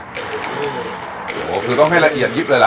โอ้โหคือต้องให้ละเอียดยิบเลยล่ะ